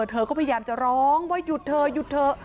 เธอก็พยายามจะร้องว่าหยุดเธอ